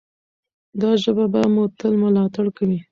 دا ژبه به مو تل ملاتړ کوي.